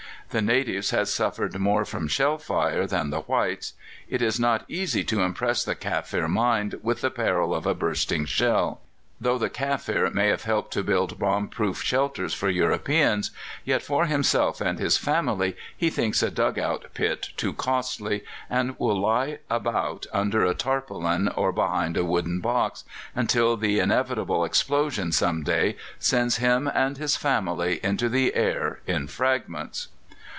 The natives had suffered more from shell fire than the whites. It is not easy to impress the Kaffir mind with the peril of a bursting shell; though the Kaffir may have helped to build bomb proof shelters for Europeans, yet for himself and his family he thinks a dug out pit too costly, and will lie about under a tarpaulin or behind a wooden box, until the inevitable explosion some day sends him and his family into the air in fragments. [Illustration: AN AMAZON AT MAFEKING Mrs. Davies, the lady sharpshooter, in the British trenches.